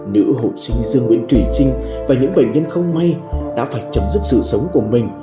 nữ hộ sinh dương nguyễn thủy trinh và những bệnh nhân không may đã phải chấm dứt sự sống của mình